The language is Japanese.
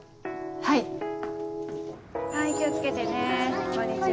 はい気を付けてねこんにちは。